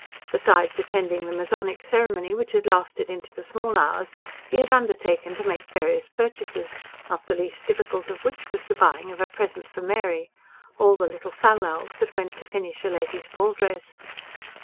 Besides attending the masonic ceremony, which had lasted into the small hours, he had undertaken to make various purchases, not the least difficult of which was the buying of a present for Mary all the little fal lals that went to finish a lady's ball dress.